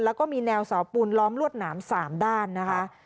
แล้วก็มีแนวเสาปูนล้อมลวดหนาม๓ด้านนะคะ